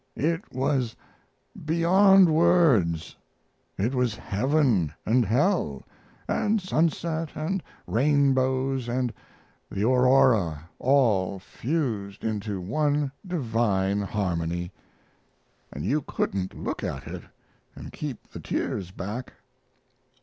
It was beyond words! It was heaven & hell & sunset & rainbows & the aurora all fused into one divine harmony, & you couldn't look at it and keep the tears back.